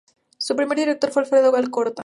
Su primer director fue Alfredo Alcorta.